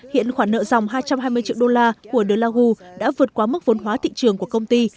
hiện khoản nợ dòng hai trăm hai mươi triệu đô la của the lagu đã vượt qua mức vốn hóa thị trường của công ty